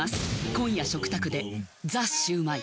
今夜食卓で「ザ★シュウマイ」